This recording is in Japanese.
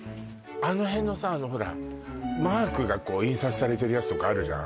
あの辺のさあのほらマークがこう印刷されてるやつとかあるじゃん